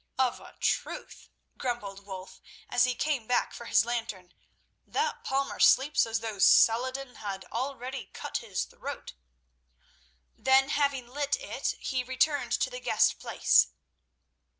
"Of a truth," grumbled Wulf, as he came back for his lantern, "that palmer sleeps as though Saladin had already cut his throat." Then having lit it, he returned to the guest place.